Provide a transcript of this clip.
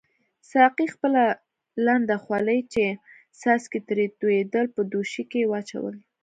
ساقي خپله لنده خولۍ چې څاڅکي ترې توییدل په دوشۍ کې واچول.